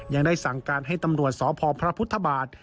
ยังได้สั่งการให้ตำรวจสพพระพุทธบาท